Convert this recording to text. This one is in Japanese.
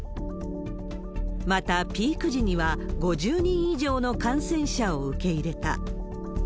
また、ピーク時には５０人以上の感染者を受け入れた。